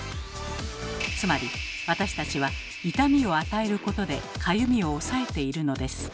つまり私たちは痛みを与えることでかゆみを抑えているのです。